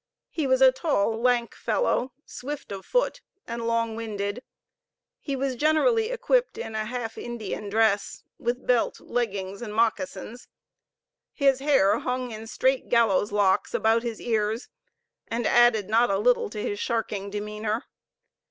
He was a tall, lank fellow, swift of foot, and long winded. He was generally equipped in a half Indian dress, with belt, leggings, and moccasins. His hair hung in straight gallows locks about his ears, and added not a little to his sharking demeanor.